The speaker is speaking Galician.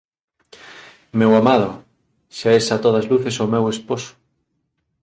Meu amado, xa es a todas luces o meu esposo.